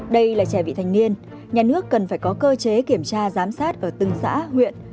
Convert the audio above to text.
đây là trẻ vị thành niên nhà nước cần phải có cơ chế kiểm tra giám sát ở từng xã huyện